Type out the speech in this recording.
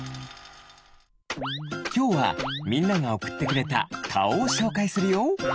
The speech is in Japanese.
きょうはみんながおくってくれたかおをしょうかいするよ。